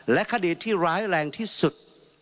และคดีที่ร้ายแรงที่สุด